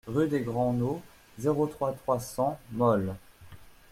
Rue des Grands Nauds, zéro trois, trois cents Molles